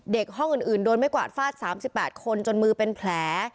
ห้องอื่นโดนไม่กวาดฟาด๓๘คนจนมือเป็นแผล